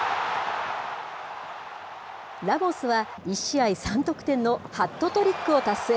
ラモスは１試合３得点のハットトリックを達成。